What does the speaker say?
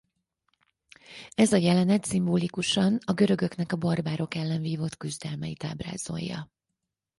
Ez a jelenet szimbolikusan a görögöknek a barbárok ellen vívott küzdelmeit ábrázolja.